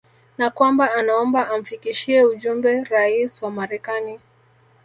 na kwamba anaomba amfikishie ujumbe Rais wa Marekani